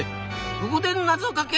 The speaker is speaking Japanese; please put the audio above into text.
ここで謎かけ！